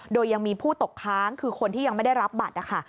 โดยยังมีผู้ตกค้างคือคนที่ยังไม่ได้รับบัตรนะคะ